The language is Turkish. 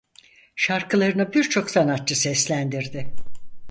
Şarkılarını birçok sanatçı seslendirdi.